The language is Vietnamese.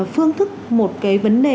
phương thức một cái vấn đề